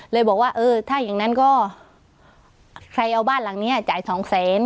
เลยบอกว่าเออถ้าอย่างนั้นก็ใครเอาบ้านหลังเนี้ยจ่ายสองแสน